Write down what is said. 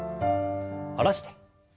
下ろして。